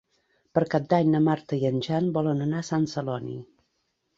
Per Cap d'Any na Marta i en Jan volen anar a Sant Celoni.